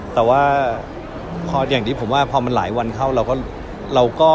แต่ว่าตอนที่ผมว่ามันหลายหวันเข้าเราก็